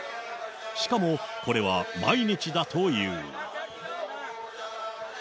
しかもこれは毎日だという。